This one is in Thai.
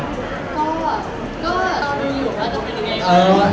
ก็ต้องดูอยู่ว่าจะเป็นยังไง